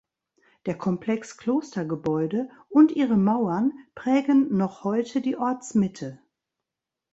Der Komplex Klostergebäude und ihre Mauern prägen noch heute die Ortsmitte.